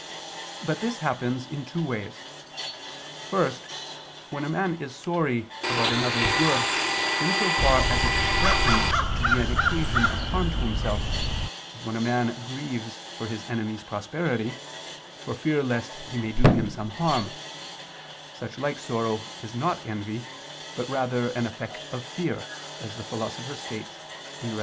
But this happens in two ways: first, when a man is sorry about another's good, in so far as it threatens to be an occasion of harm to himself, as when a man grieves for his enemy's prosperity, for fear lest he may do him some harm: such like sorrow is not envy, but rather an effect of fear, as the Philosopher states (Rhet.